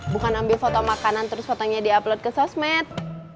bukan ambil foto makanan terus fotonya di upload ke sosmed